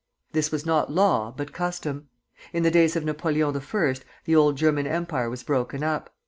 This was not law, but custom. In the days of Napoleon I. the old German Empire was broken up.